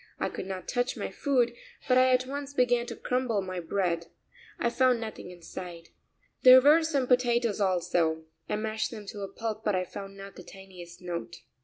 I could not touch my food, but I at once began to crumble my bread. I found nothing inside. There were some potatoes also; I mashed them to a pulp, but I found not the tiniest note.